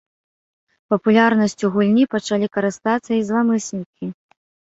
Папулярнасцю гульні пачалі карыстацца і зламыснікі.